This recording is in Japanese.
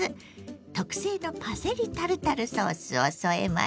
特製のパセリタルタルソースを添えます。